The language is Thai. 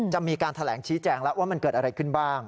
จะมีการแถลงชี้แจงแล้วว่ามันเกิดอะไรขึ้นบ้าง